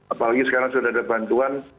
apalagi sekarang sudah ada bantuan